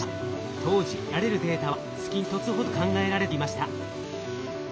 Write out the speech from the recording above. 当時得られるデータは月に１つほどだと考えられていました。